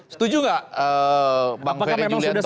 setuju gak bang ferry juliantono